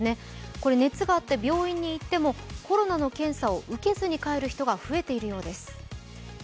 これ、熱があって病院に行ってもコロナの検査を受けずに帰る人が増えているようです。